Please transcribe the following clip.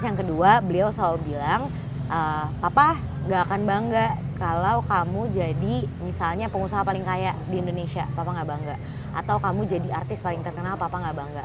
dan yang kedua beliau selalu bilang papa gak akan bangga kalau kamu jadi misalnya pengusaha paling kaya di indonesia papa gak bangga atau kamu jadi artis paling terkenal papa gak bangga